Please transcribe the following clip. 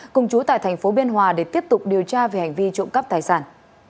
cùng chú tại tp biên hòa để tiếp tục điều tra về hành vi trộm cắp tài sản